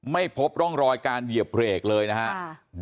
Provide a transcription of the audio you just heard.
ไม่พบร่องรอยการเหยียบเบรกเลยนะครับ